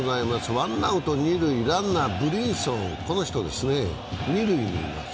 ワンアウト二塁、ランナー・ブリンソン、二塁にいます。